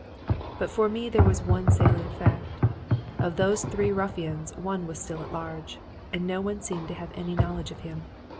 But for me there was one salient fact: of those three ruffians one was still at large, and no one seemed to have any knowledge of him.